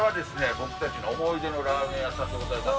僕たちの思い出のラーメン屋さんでございまして。